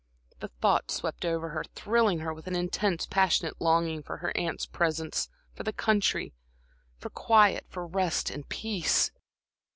The thought swept over her, thrilling her with an intense, passionate longing for her aunts' presence, for the country quiet, for rest and peace.